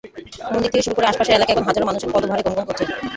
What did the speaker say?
মন্দির থেকে শুরু করে আশপাশের এলাকা এখন হাজারো মানুষের পদভারে গমগম করছে।